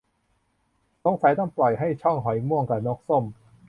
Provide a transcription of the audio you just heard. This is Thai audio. สงสัยต้องปล่อยให้ ช่อง หอยม่วง กะ นกส้ม